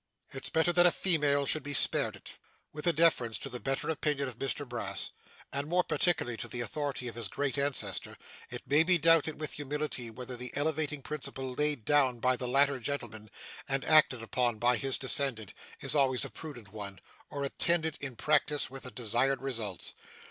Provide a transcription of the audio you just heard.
It's better that a female should be spared it.' With deference to the better opinion of Mr Brass, and more particularly to the authority of his Great Ancestor, it may be doubted, with humility, whether the elevating principle laid down by the latter gentleman, and acted upon by his descendant, is always a prudent one, or attended in practice with the desired results.